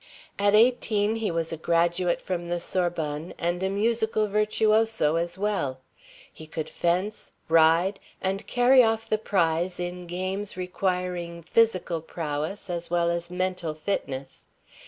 At eighteen he was a graduate from the Sorbonne, and a musical virtuoso as well. He could fence, ride, and carry off the prize in games requiring physical prowess as well as mental fitness.